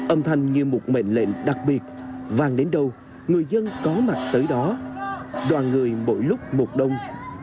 âm thanh như một mệnh lệnh đặc biệt vàng đến đâu người dân có mặt tới đó đoàn người mỗi lúc một đông